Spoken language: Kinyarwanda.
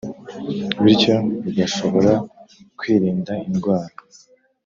, bityo rugashobora kwirinda indwara